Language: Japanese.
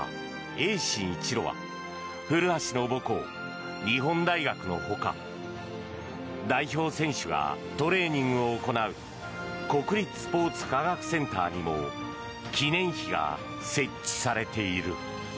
泳心一路は古橋の母校・日本大学の他代表選手がトレーニングを行う国立スポーツ科学センターにも記念碑が設置されている。